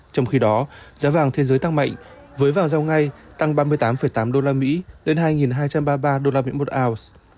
trong khi đó giá vàng thế giới tăng mạnh với vàng giao ngay tăng ba mươi tám tám usd lên hai hai trăm ba mươi ba usd một ounce